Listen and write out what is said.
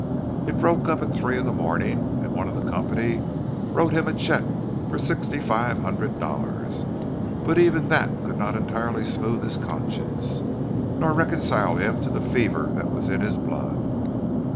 It broke up at three in the morning, and one of the company wrote him a cheque for sixty five hundred dollars; but even that could not entirely smooth his conscience, nor reconcile him to the fever that was in his blood.